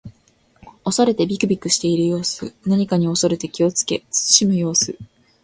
恐れてびくびくしている様子。何かに恐れて気をつけ慎む様子。